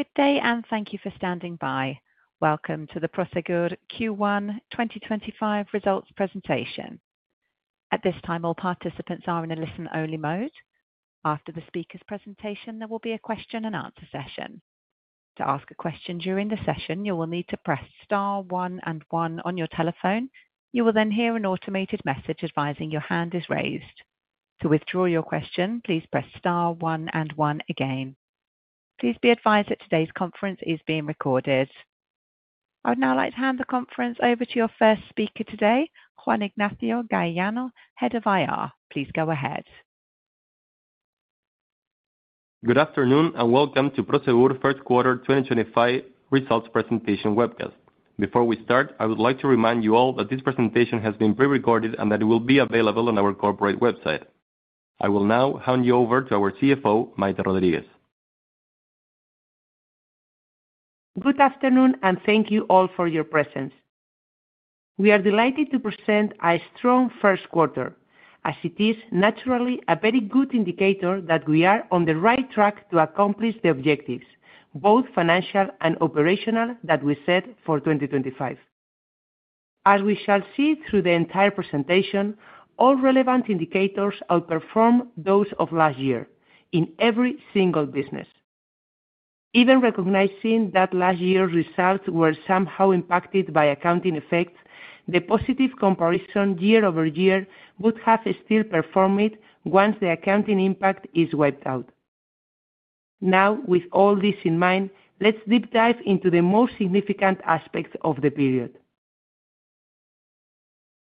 Good day, and thank you for standing by. Welcome to the Prosegur Q1 2025 results presentation. At this time, all participants are in a listen-only mode. After the speaker's presentation, there will be a question-and-answer session. To ask a question during the session, you will need to press star one and one on your telephone. You will then hear an automated message advising your hand is raised. To withdraw your question, please press star one and one again. Please be advised that today's conference is being recorded. I would now like to hand the conference over to your first speaker today, Juan Ignacio Galeano, Head of IR. Please go ahead. Good afternoon, and welcome to Prosegur Q1 2025 results presentation webcast. Before we start, I would like to remind you all that this presentation has been pre-recorded and that it will be available on our corporate website. I will now hand you over to our CFO, Maite Rodríguez. Good afternoon, and thank you all for your presence. We are delighted to present a strong first quarter, as it is naturally a very good indicator that we are on the right track to accomplish the objectives, both financial and operational, that we set for 2025. As we shall see through the entire presentation, all relevant indicators outperform those of last year in every single business. Even recognizing that last year's results were somehow impacted by accounting effects, the positive comparison year over year would have still performed it once the accounting impact is wiped out. Now, with all this in mind, let's deep dive into the most significant aspects of the period.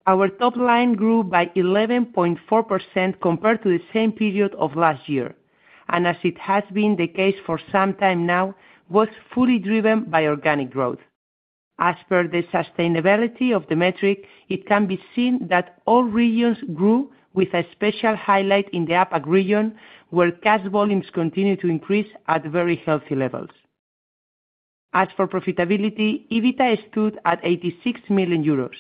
Our top line grew by 11.4% compared to the same period of last year, and as it has been the case for some time now, was fully driven by organic growth. As per the sustainability of the metric, it can be seen that all regions grew, with a special highlight in the APAC region, where cash volumes continued to increase at very healthy levels. As for profitability, EBITDA stood at 86 million euros,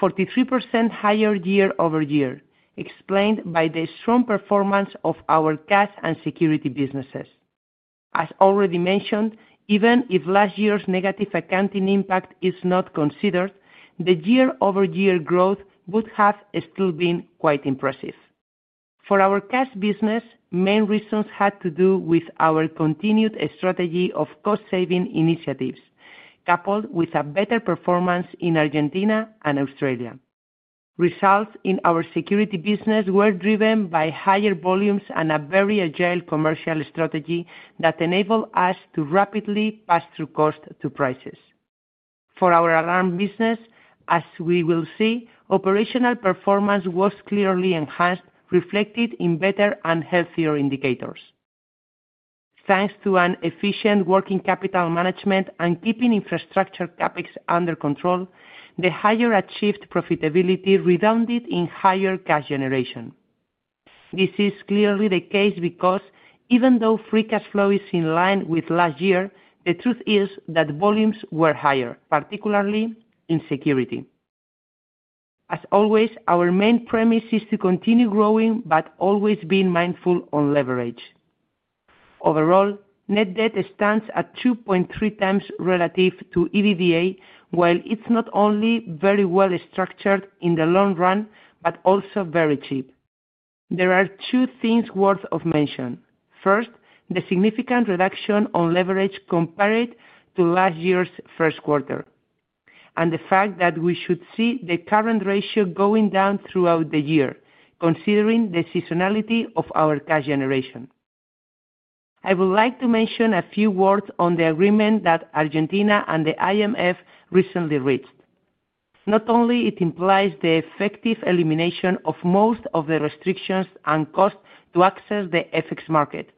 43% higher year over year, explained by the strong performance of our cash and security businesses. As already mentioned, even if last year's negative accounting impact is not considered, the year-over-year growth would have still been quite impressive. For our cash business, main reasons had to do with our continued strategy of cost-saving initiatives, coupled with a better performance in Argentina and Australia. Results in our security business were driven by higher volumes and a very agile commercial strategy that enabled us to rapidly pass through cost to prices. For our alarm business, as we will see, operational performance was clearly enhanced, reflected in better and healthier indicators. Thanks to efficient working capital management and keeping infrastructure capex under control, the higher achieved profitability redounded in higher cash generation. This is clearly the case because, even though free cash flow is in line with last year, the truth is that volumes were higher, particularly in security. As always, our main premise is to continue growing but always being mindful of leverage. Overall, net debt stands at 2.3 times relative to EVDA, while it's not only very well-structured in the long run but also very cheap. There are two things worth mentioning. First, the significant reduction in leverage compared to last year's first quarter, and the fact that we should see the current ratio going down throughout the year, considering the seasonality of our cash generation. I would like to mention a few words on the agreement that Argentina and the IMF recently reached. Not only does it imply the effective elimination of most of the restrictions and costs to access the FX market,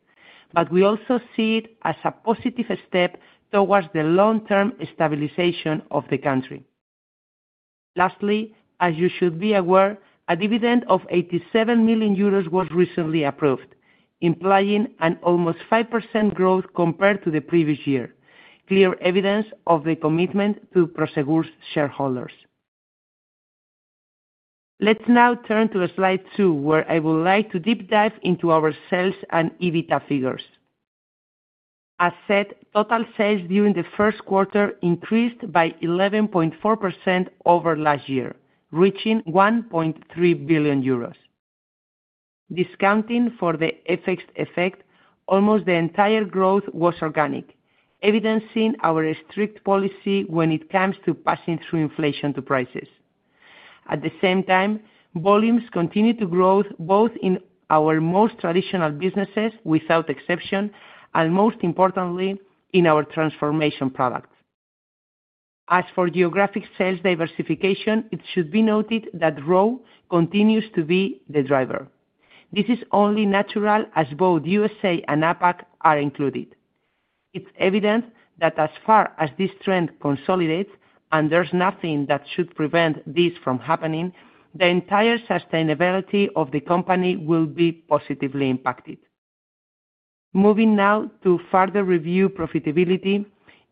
but we also see it as a positive step towards the long-term stabilization of the country. Lastly, as you should be aware, a dividend of 87 million euros was recently approved, implying an almost 5% growth compared to the previous year, clear evidence of the commitment to Prosegur's shareholders. Let's now turn to slide two, where I would like to deep dive into our sales and EBITDA figures. As said, total sales during the first quarter increased by 11.4% over last year, reaching 1.3 billion euros. Discounting for the FX effect, almost the entire growth was organic, evidencing our strict policy when it comes to passing through inflation to prices. At the same time, volumes continued to grow, both in our most traditional businesses without exception and, most importantly, in our transformation products. As for geographic sales diversification, it should be noted that growth continues to be the driver. This is only natural as both US and APAC are included. It's evident that as far as this trend consolidates, and there's nothing that should prevent this from happening, the entire sustainability of the company will be positively impacted. Moving now to further review profitability,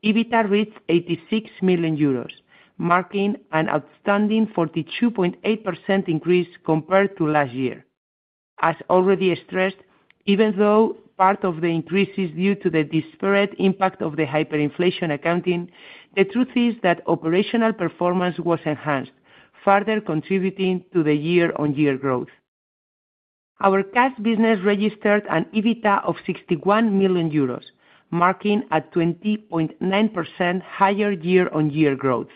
EBITDA reached 86 million euros, marking an outstanding 42.8% increase compared to last year. As already stressed, even though part of the increase is due to the disparate impact of the hyperinflation accounting, the truth is that operational performance was enhanced, further contributing to the year-on-year growth. Our cash business registered an EBITDA of 61 million euros, marking a 20.9% higher year-on-year growth.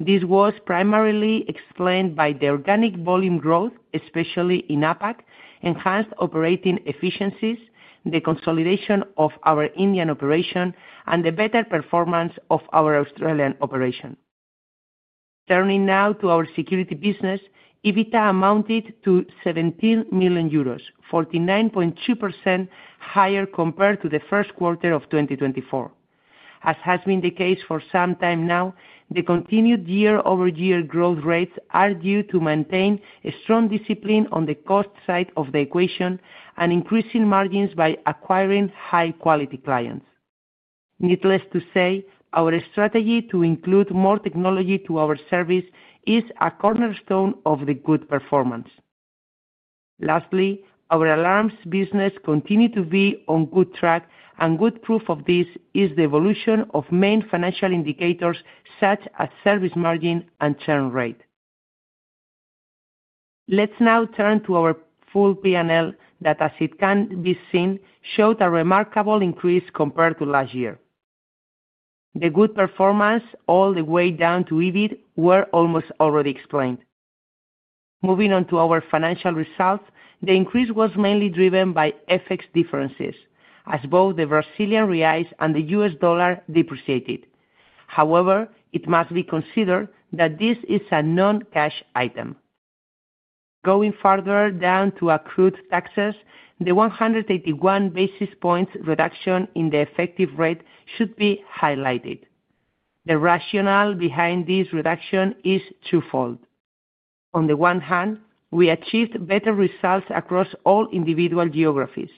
This was primarily explained by the organic volume growth, especially in APAC, enhanced operating efficiencies, the consolidation of our Indian operation, and the better performance of our Australian operation. Turning now to our security business, EBITDA amounted to 17 million euros, 49.2% higher compared to the first quarter of 2024. As has been the case for some time now, the continued year-over-year growth rates are due to maintain a strong discipline on the cost side of the equation and increasing margins by acquiring high-quality clients. Needless to say, our strategy to include more technology to our service is a cornerstone of the good performance. Lastly, our alarms business continues to be on a good track, and good proof of this is the evolution of main financial indicators such as service margin and churn rate. Let's now turn to our full P&L that, as it can be seen, showed a remarkable increase compared to last year. The good performance all the way down to EBITDA was almost already explained. Moving on to our financial results, the increase was mainly driven by FX differences, as both the Brazilian real and the US dollar depreciated. However, it must be considered that this is a non-cash item. Going further down to accrued taxes, the 181 basis points reduction in the effective rate should be highlighted. The rationale behind this reduction is twofold. On the one hand, we achieved better results across all individual geographies,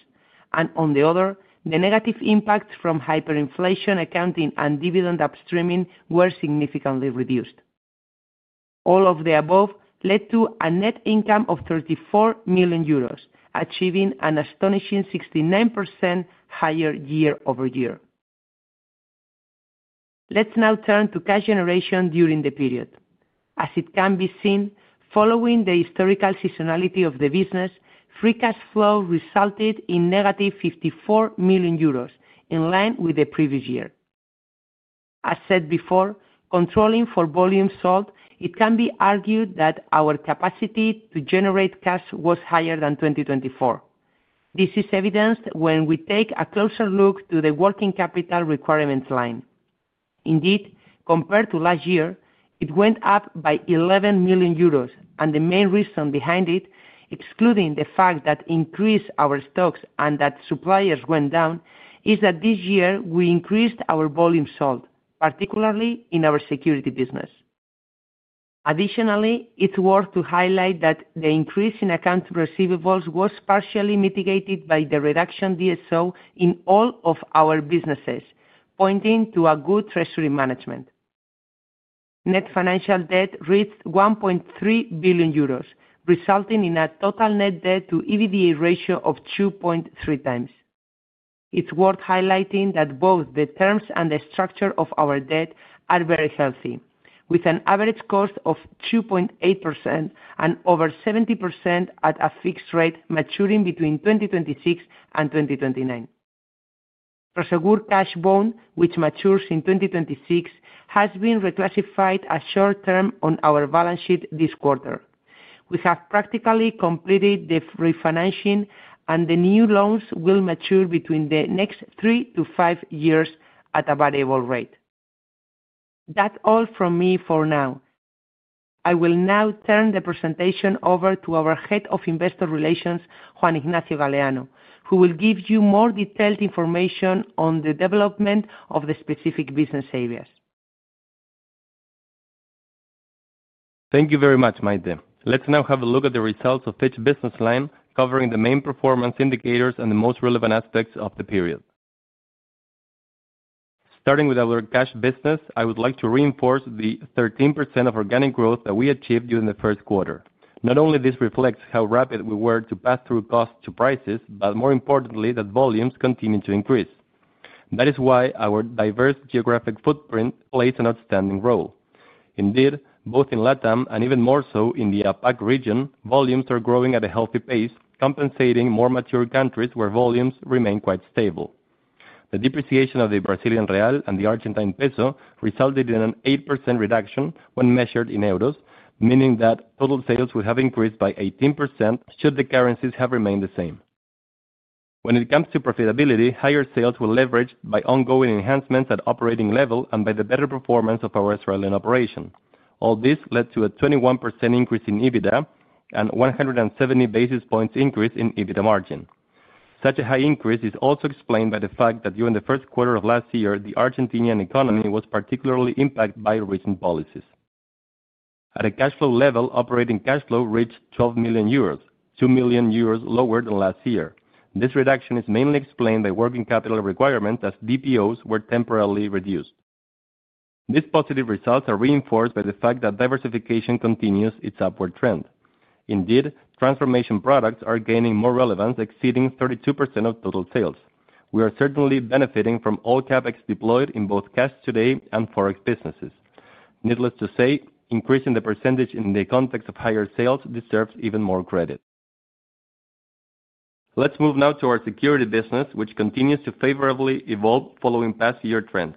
and on the other. The negative impacts from hyperinflation accounting and dividend upstreaming were significantly reduced. All of the above led to a net income of 34 million euros, achieving an astonishing 69% higher year over year. Let's now turn to cash generation during the period. As it can be seen, following the historical seasonality of the business, free cash flow resulted in negative 54 million euros, in line with the previous year. As said before, controlling for volume sold, it can be argued that our capacity to generate cash was higher than 2024. This is evidenced when we take a closer look to the working capital requirements line. Indeed, compared to last year, it went up by 11 million euros, and the main reason behind it, excluding the fact that we increased our stocks and that suppliers went down, is that this year we increased our volume sold, particularly in our security business. Additionally, it's worth highlighting that the increase in accounts receivables was partially mitigated by the reduction in DSO in all of our businesses, pointing to good treasury management. Net financial debt reached 1.3 billion euros, resulting in a total net debt-to-EVDA ratio of 2.3x. It's worth highlighting that both the terms and the structure of our debt are very healthy, with an average cost of 2.8% and over 70% at a fixed rate maturing between 2026 and 2029. Prosegur Cash Bond, which matures in 2026, has been reclassified as short-term on our balance sheet this quarter. We have practically completed the refinancing, and the new loans will mature between the next three to five years at a variable rate. That's all from me for now. I will now turn the presentation over to our Head of Investor Relations, Juan Ignacio Galeano, who will give you more detailed information on the development of the specific business areas. Thank you very much, Maite. Let's now have a look at the results of each business line covering the main performance indicators and the most relevant aspects of the period. Starting with our Cash Business, I would like to reinforce the 13% of organic growth that we achieved during the first quarter. Not only does this reflect how rapid we were to pass through cost to prices, but more importantly, that volumes continued to increase. That is why our diverse geographic footprint plays an outstanding role. Indeed, both in LATAM and even more so in the APAC region, volumes are growing at a healthy pace, compensating more mature countries where volumes remain quite stable. The depreciation of the Brazilian real and the Argentine peso resulted in an 8% reduction when measured in EUR, meaning that total sales would have increased by 18% should the currencies have remained the same. When it comes to profitability, higher sales were leveraged by ongoing enhancements at operating level and by the better performance of our Australian operation. All this led to a 21% increase in EBITDA and a 170 basis points increase in EBITDA margin. Such a high increase is also explained by the fact that during the first quarter of last year, the Argentinian economy was particularly impacted by recent policies. At a cash flow level, operating cash flow reached 12 million euros, 2 million euros lower than last year. This reduction is mainly explained by working capital requirements, as DPOs were temporarily reduced. These positive results are reinforced by the fact that diversification continues its upward trend. Indeed, transformation products are gaining more relevance, exceeding 32% of total sales. We are certainly benefiting from all CapEx deployed in both cash today and forex businesses. Needless to say, increasing the percentage in the context of higher sales deserves even more credit. Let's move now to our security business, which continues to favorably evolve following past year trends.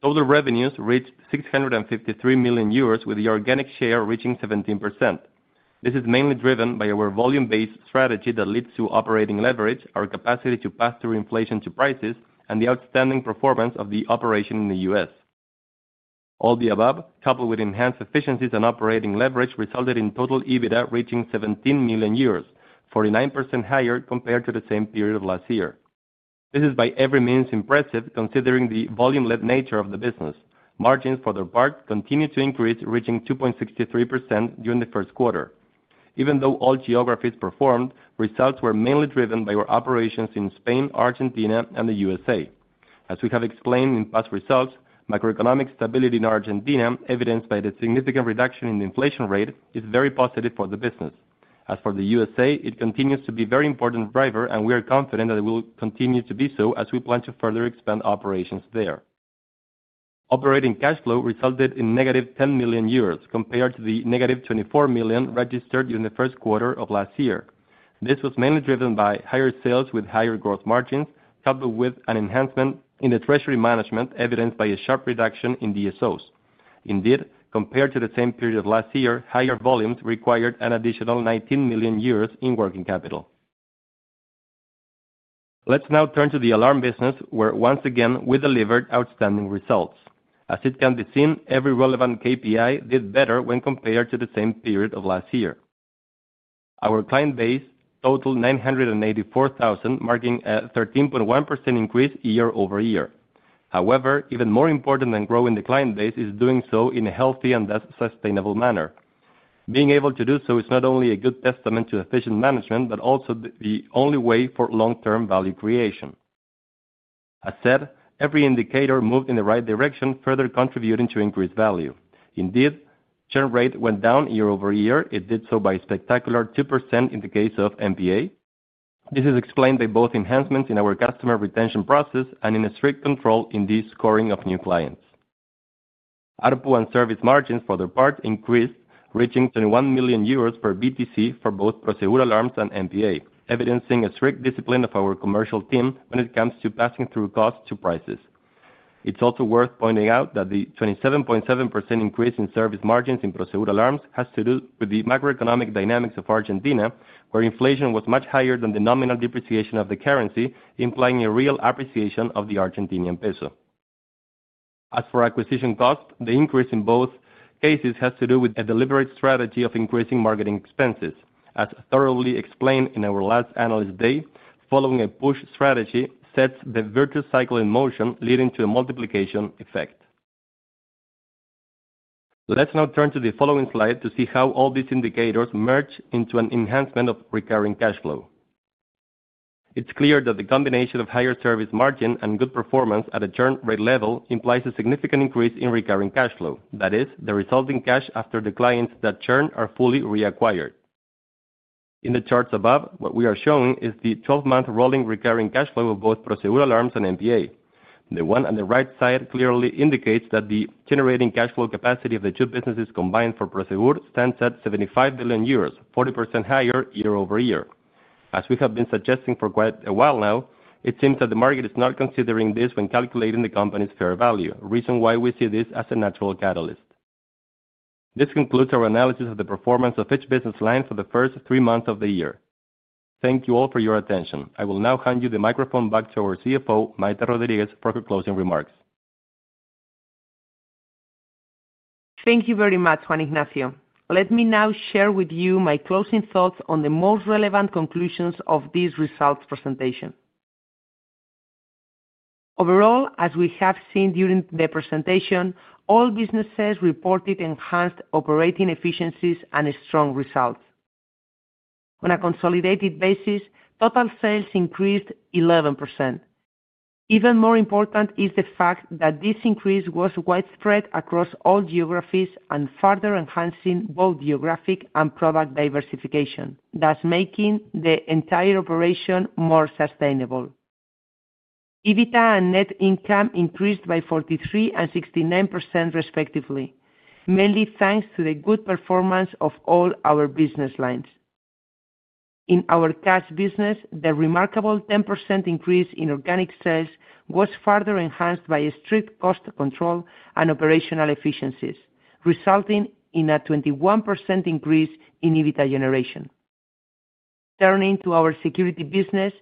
Total revenues reached 653 million euros, with the organic share reaching 17%. This is mainly driven by our volume-based strategy that leads to operating leverage, our capacity to pass through inflation to prices, and the outstanding performance of the operation in the US. All the above, coupled with enhanced efficiencies and operating leverage, resulted in total EBITDA reaching 17 million euros, 49% higher compared to the same period of last year. This is by every means impressive, considering the volume-led nature of the business. Margins, for their part, continued to increase, reaching 2.63% during the first quarter. Even though all geographies performed, results were mainly driven by our operations in Spain, Argentina, and the US. As we have explained in past results, macroeconomic stability in Argentina, evidenced by the significant reduction in the inflation rate, is very positive for the business. As for the US, it continues to be a very important driver, and we are confident that it will continue to be so as we plan to further expand operations there. Operating cash flow resulted in negative 10 million euros compared to the negative 24 million registered during the first quarter of last year. This was mainly driven by higher sales with higher gross margins, coupled with an enhancement in the treasury management, evidenced by a sharp reduction in DSOs. Indeed, compared to the same period of last year, higher volumes required an additional 19 million in working capital. Let's now turn to the alarm business, where once again we delivered outstanding results. As it can be seen, every relevant KPI did better when compared to the same period of last year. Our client base totaled 984,000, marking a 13.1% increase year over year. However, even more important than growing the client base is doing so in a healthy and thus sustainable manner. Being able to do so is not only a good testament to efficient management but also the only way for long-term value creation. As said, every indicator moved in the right direction, further contributing to increased value. Indeed, churn rate went down year over year. It did so by a spectacular 2% in the case of MPA. This is explained by both enhancements in our customer retention process and in a strict control in the scoring of new clients. ARPU and service margins, for their part, increased, reaching 21 million euros per BTC for both Prosegur Alarms and MPA, evidencing a strict discipline of our commercial team when it comes to passing through cost to prices. It's also worth pointing out that the 27.7% increase in service margins in Prosegur Alarms has to do with the macroeconomic dynamics of Argentina, where inflation was much higher than the nominal depreciation of the currency, implying a real appreciation of the Argentine peso. As for acquisition cost, the increase in both cases has to do with a deliberate strategy of increasing marketing expenses. As thoroughly explained in our last analyst day, following a push strategy sets the virtuous cycle in motion, leading to a multiplication effect. Let's now turn to the following slide to see how all these indicators merge into an enhancement of recurring cash flow. It's clear that the combination of higher service margin and good performance at a churn rate level implies a significant increase in recurring cash flow. That is, the resulting cash after the clients that churn are fully reacquired. In the charts above, what we are showing is the 12-month rolling recurring cash flow of both Prosegur Alarms and MPA. The one on the right side clearly indicates that the generating cash flow capacity of the two businesses combined for Prosegur stands at 75 million euros, 40% higher year over year. As we have been suggesting for quite a while now, it seems that the market is not considering this when calculating the company's fair value, a reason why we see this as a natural catalyst. This concludes our analysis of the performance of each business line for the first three months of the year. Thank you all for your attention. I will now hand you the microphone back to our CFO, Maite Rodríguez, for her closing remarks. Thank you very much, Juan Ignacio. Let me now share with you my closing thoughts on the most relevant conclusions of this results presentation. Overall, as we have seen during the presentation, all businesses reported enhanced operating efficiencies and strong results. On a consolidated basis, total sales increased 11%. Even more important is the fact that this increase was widespread across all geographies and further enhancing both geographic and product diversification, thus making the entire operation more sustainable. EBITDA and net income increased by 43% and 69%, respectively, mainly thanks to the good performance of all our business lines. In our cash business, the remarkable 10% increase in organic sales was further enhanced by strict cost control and operational efficiencies, resulting in a 21% increase in EBITDA generation. Turning to our security business,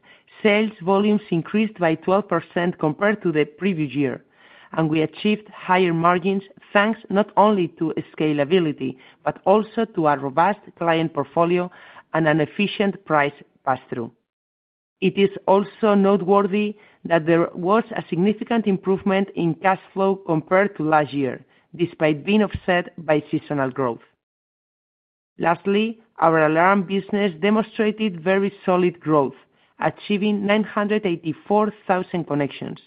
sales volumes increased by 12% compared to the previous year, and we achieved higher margins thanks not only to scalability but also to a robust client portfolio and an efficient price pass-through. It is also noteworthy that there was a significant improvement in cash flow compared to last year, despite being offset by seasonal growth. Lastly, our alarm business demonstrated very solid growth, achieving 984,000 connections.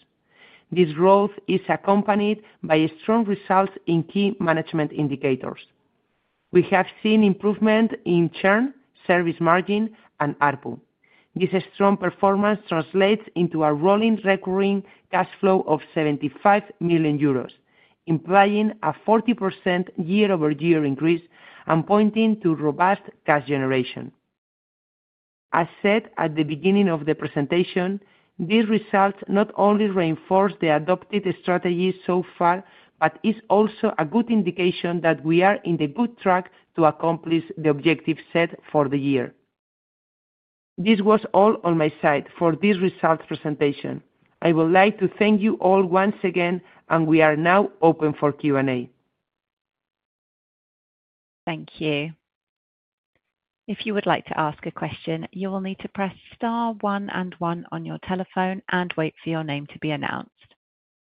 This growth is accompanied by strong results in key management indicators. We have seen improvement in churn, service margin, and ARPU. This strong performance translates into a rolling recurring cash flow of 75 million euros, implying a 40% year-over-year increase and pointing to robust cash generation. As said at the beginning of the presentation, these results not only reinforce the adopted strategy so far but are also a good indication that we are on the good track to accomplish the objectives set for the year. This was all on my side for this results presentation. I would like to thank you all once again, and we are now open for Q&A. Thank you. If you would like to ask a question, you will need to press star one and one on your telephone and wait for your name to be announced.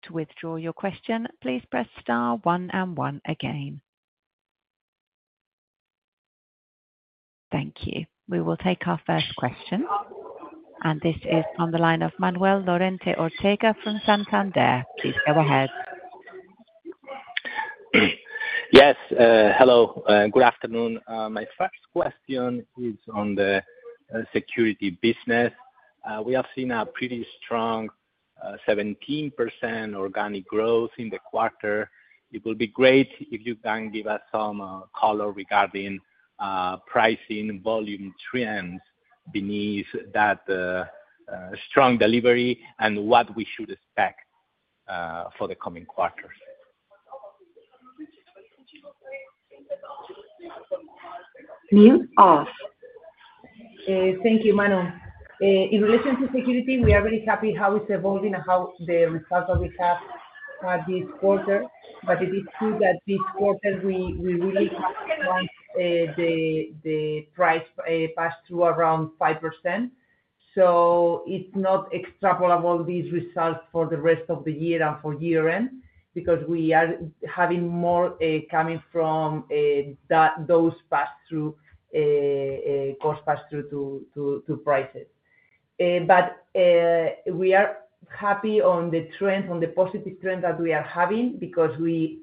To withdraw your question, please press star one and one again. Thank you. We will take our first question, and this is on the line of Manuel Lorente Ortega from Santander. Please go ahead. Yes, hello. Good afternoon. My first question is on the security business. We have seen a pretty strong 17% organic growth in the quarter. It would be great if you can give us some color regarding pricing volume trends beneath that strong delivery and what we should expect for the coming quarters. Thank you, Manuel. In relation to security, we are very happy with how it's evolving and how the results that we have this quarter. It is true that this quarter we really want the price pass-through around 5%. It is not extrapolable, these results, for the rest of the year and for year-end because we are having more coming from those pass-through, cost pass-through to prices. We are happy on the trend, on the positive trend that we are having because we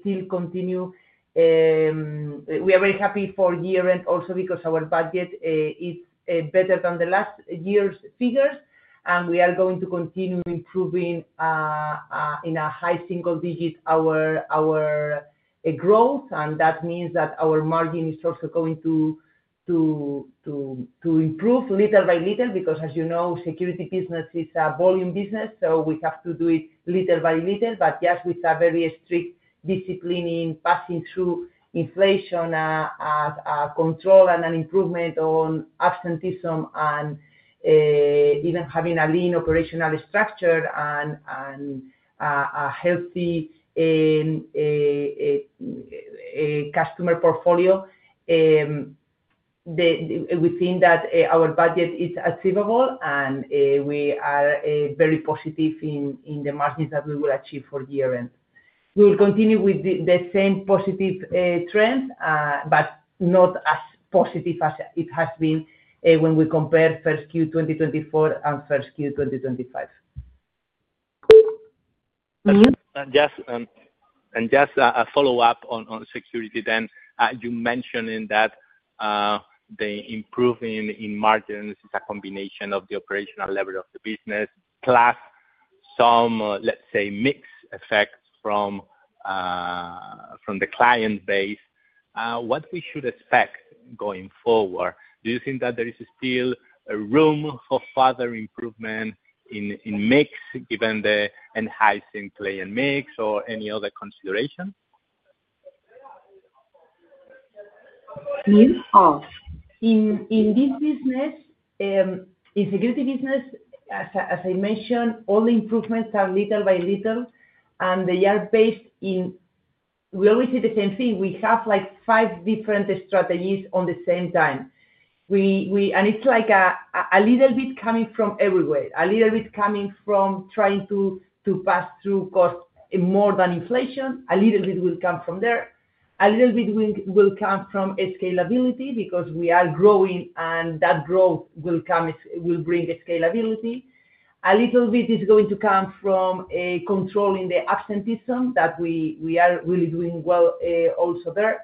still continue. We are very happy for year-end also because our budget is better than the last year's figures, and we are going to continue improving in a high single-digit our growth. That means that our margin is also going to improve little by little because, as you know, security business is a volume business, so we have to do it little by little. Yes, with a very strict discipline in passing through inflation, control and an improvement on absenteeism, and even having a lean operational structure and a healthy customer portfolio, we think that our budget is achievable, and we are very positive in the margins that we will achieve for year-end. We will continue with the same positive trends, but not as positive as it has been when we compare Q1 2024 and Q1 2025. Just a follow-up on security then, you mentioned that the improving in margins is a combination of the operational level of the business plus some, let's say, mixed effects from the client base. What we should expect going forward, do you think that there is still room for further improvement in mix given the enhancing play in mix or any other consideration? In this business, in security business, as I mentioned, all the improvements are little by little, and they are based in we always say the same thing. We have like five different strategies at the same time. It is like a little bit coming from everywhere, a little bit coming from trying to pass through cost more than inflation. A little bit will come from there. A little bit will come from scalability because we are growing, and that growth will bring scalability. A little bit is going to come from controlling the absenteeism that we are really doing well also there.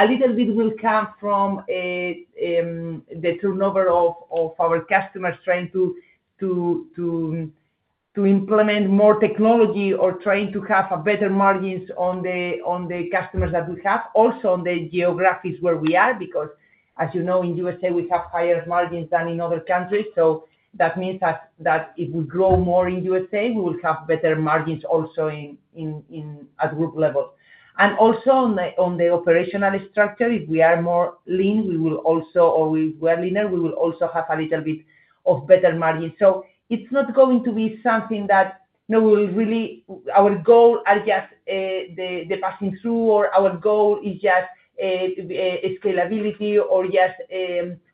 A little bit will come from the turnover of our customers trying to implement more technology or trying to have better margins on the customers that we have, also on the geographies where we are because, as you know, in the USA, we have higher margins than in other countries. That means that if we grow more in the USA, we will have better margins also at group level. Also on the operational structure, if we are more lean, we will also, or if we are leaner, we will also have a little bit of better margins. It is not going to be something that we will really, our goal is just the passing through, or our goal is just scalability or just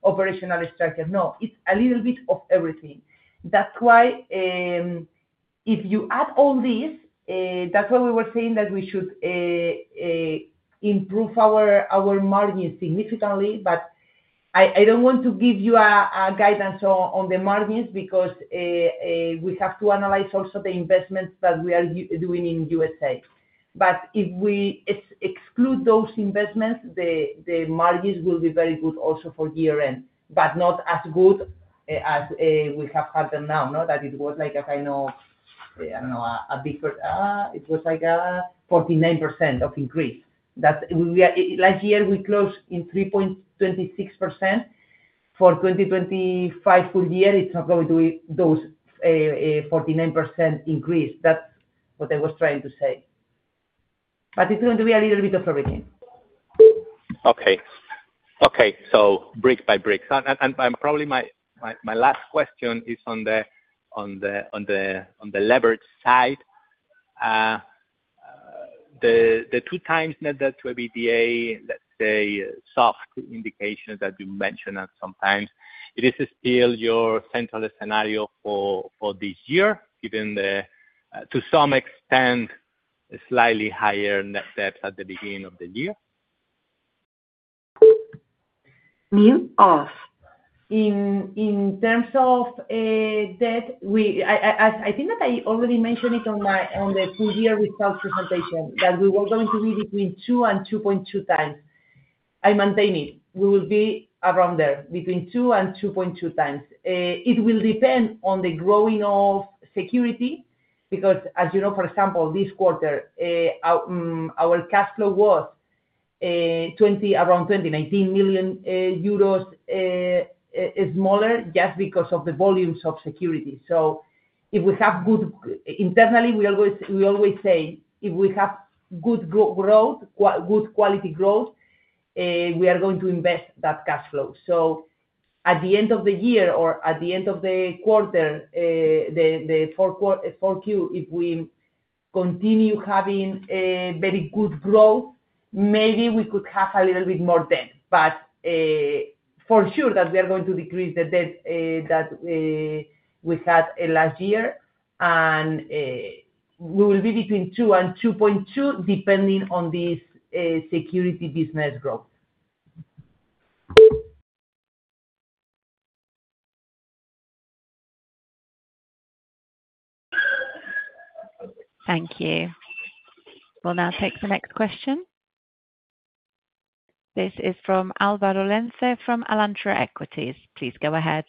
operational structure. No, it is a little bit of everything. That's why if you add all these, that's why we were saying that we should improve our margins significantly. I don't want to give you guidance on the margins because we have to analyze also the investments that we are doing in the USA. If we exclude those investments, the margins will be very good also for year-end, but not as good as we have had them now, that it was like a kind of, I don't know, a big, it was like a 49% increase. Last year, we closed in 3.26%. For 2025 full year, it's not going to be those 49% increase. That's what I was trying to say. It's going to be a little bit of everything. Okay. Okay. Brick by brick. Probably my last question is on the leverage side. The 2x net debt to EBITDA, let's say, soft indications that you mentioned sometimes, is it still your central scenario for this year, given to some extent slightly higher net debt at the beginning of the year? In terms of debt, I think that I already mentioned it on the full year results presentation, that we were going to be between 2x-2.2x. I maintain it. We will be around there, between 2x-2.2x. It will depend on the growing of security because, as you know, for example, this quarter, our cash flow was around 19 million euros smaller just because of the volumes of security. If we have good internally, we always say if we have good growth, good quality growth, we are going to invest that cash flow. At the end of the year or at the end of the quarter, the Q4, if we continue having very good growth, maybe we could have a little bit more debt. For sure that we are going to decrease the debt that we had last year, and we will be between 2x and 2.2x depending on this security business growth. Thank you. We will now take the next question. This is from Alvaro Lence from Alantra Equities. Please go ahead.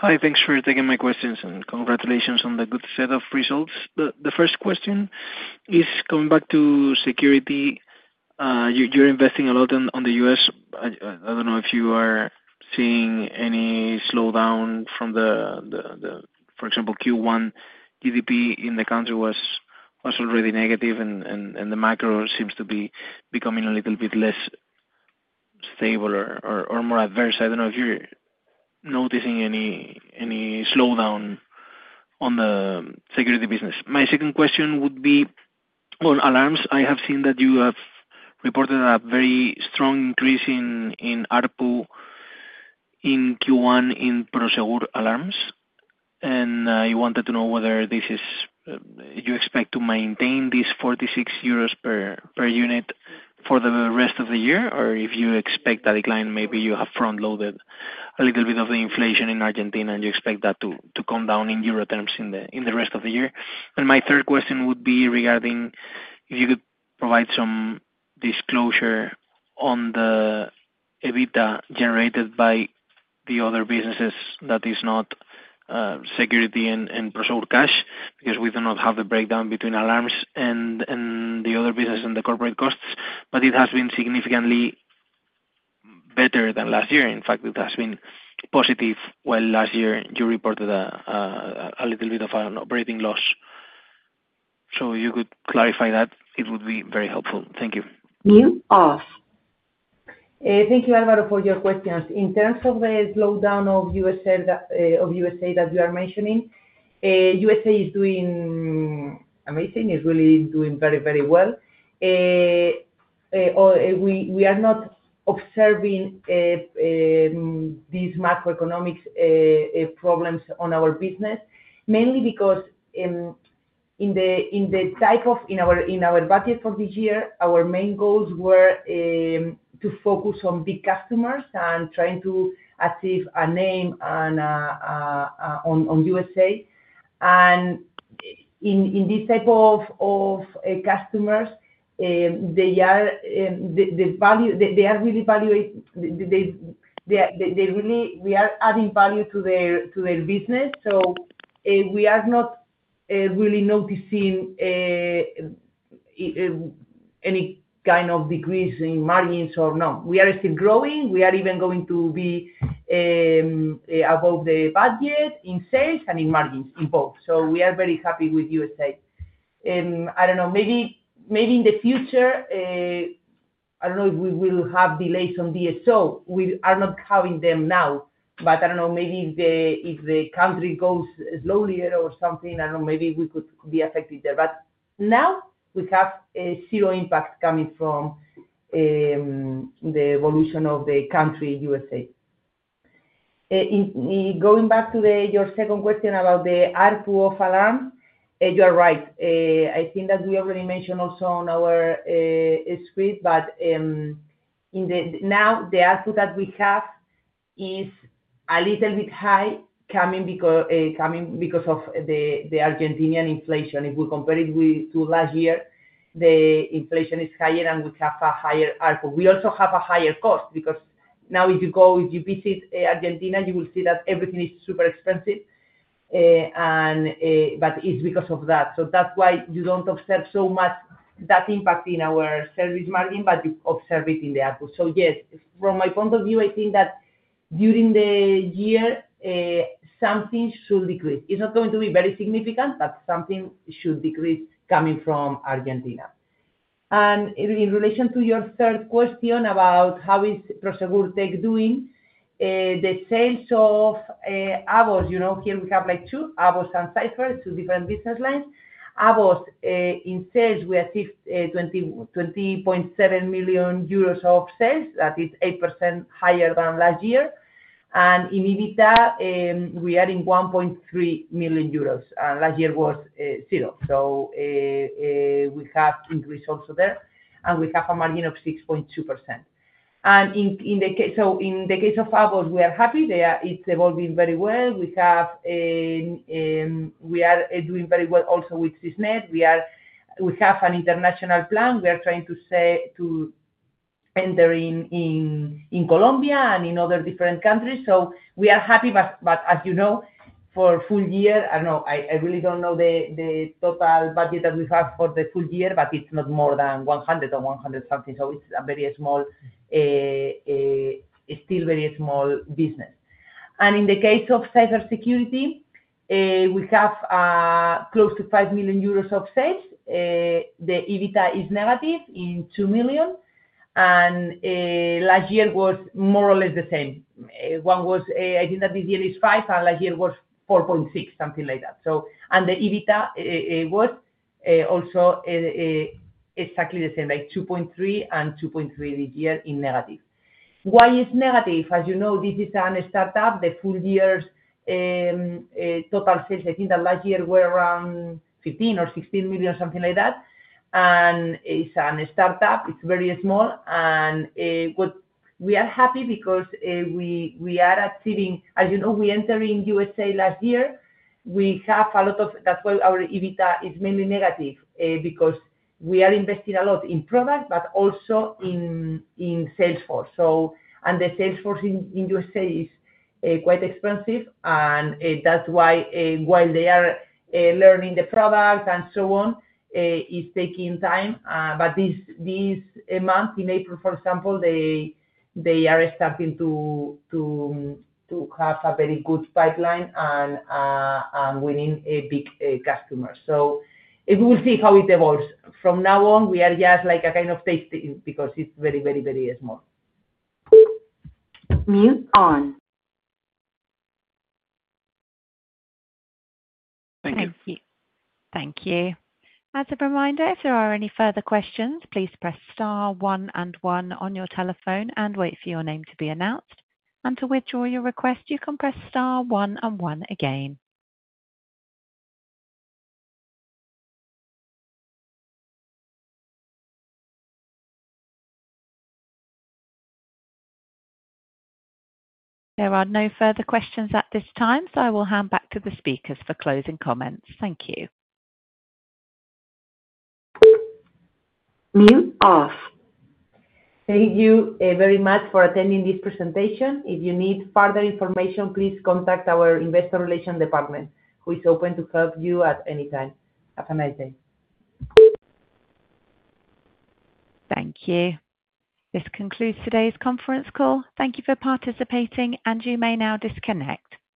Hi. Thanks for taking my questions, and congratulations on the good set of results. The first question is coming back to security. You're investing a lot on the US. I don't know if you are seeing any slowdown from the, for example, Q1 GDP in the country was already negative, and the macro seems to be becoming a little bit less stable or more adverse. I don't know if you're noticing any slowdown on the security business. My second question would be on alarms. I have seen that you have reported a very strong increase in ARPU in Q1 in Prosegur Alarms. I wanted to know whether you expect to maintain these 46 euros per unit for the rest of the year, or if you expect a decline, maybe you have front-loaded a little bit of the inflation in Argentina, and you expect that to come down in euro terms in the rest of the year. My third question would be regarding if you could provide some disclosure on the EBITDA generated by the other businesses that is not security and Prosegur Cash because we do not have the breakdown between alarms and the other business and the corporate costs. It has been significantly better than last year. In fact, it has been positive. Last year, you reported a little bit of an operating loss. If you could clarify that, it would be very helpful. Thank you. Thank you, Álvaro, for your questions. In terms of the slowdown of USA that you are mentioning, USA is doing amazing. It's really doing very, very well. We are not observing these macroeconomic problems on our business, mainly because in the type of in our budget for this year, our main goals were to focus on big customers and trying to achieve a name on USA. In this type of customers, they are really valued; they really are adding value to their business. We are not really noticing any kind of decrease in margins or not. We are still growing. We are even going to be above the budget in sales and in margins, in both. We are very happy with USA. I don't know. Maybe in the future, I don't know if we will have delays on DSO. We are not having them now. I don't know. Maybe if the country goes slowly or something, I don't know, maybe we could be affected there. Now we have zero impact coming from the evolution of the country, USA. Going back to your second question about the ARPU of alarms, you are right. I think that we already mentioned also on our script, but now the ARPU that we have is a little bit high coming because of the Argentinian inflation. If we compare it to last year, the inflation is higher, and we have a higher ARPU. We also have a higher cost because now if you go, if you visit Argentina, you will see that everything is super expensive. It is because of that. That is why you do not observe so much that impact in our service margin, but you observe it in the ARPU. Yes, from my point of view, I think that during the year, something should decrease. It's not going to be very significant, but something should decrease coming from Argentina. In relation to your third question about how is Prosegur Tech doing, the sales of Avos. Here we have Avos and Cypher, two different business lines. Avos in sales, we achieved 20.7 million euros of sales. That is 8% higher than last year. In EBITDA, we are in 1.3 million euros. Last year was zero. We have increased also there, and we have a margin of 6.2%. In the case of Avos, we are happy. It's evolving very well. We are doing very well also with Cisnet. We have an international plan. We are trying to enter in Colombia and in other different countries. We are happy. As you know, for full year, I do not know. I really do not know the total budget that we have for the full year, but it is not more than 100 million or 100 million-something. It is a very small, still very small business. In the case of cybersecurity, we have close to 5 million euros of sales. The EBITDA is negative in 2 million. Last year was more or less the same. I think that this year is 5 million, and last year was 4.6 million, something like that. The EBITDA was also exactly the same, like 2.3 million and 2.3 million this year in negative. Why is it negative? As you know, this is a startup. The full year's total sales, I think that last year were around 15 million or 16 million, something like that. It is a startup. It is very small. We are happy because we are achieving, as you know, we entered in USA last year. We have a lot of, that's why our EBITDA is mainly negative because we are investing a lot in product, but also in Salesforce. The Salesforce in USA is quite expensive. That is why, while they are learning the product and so on, it is taking time. This month, in April, for example, they are starting to have a very good pipeline and winning big customers. We will see how it evolves. From now on, we are just like a kind of tasting because it is very, very, very small. Thank you. As a reminder, if there are any further questions, please press star one and one on your telephone and wait for your name to be announced. To withdraw your request, you can press star one and one again. There are no further questions at this time, so I will hand back to the speakers for closing comments. Thank you. Thank you very much for attending this presentation. If you need further information, please contact our investor relations department, who is open to help you at any time. Have a nice day. Thank you. This concludes today's conference call. Thank you for participating, and you may now disconnect.